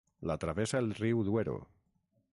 La travessa el riu Duero.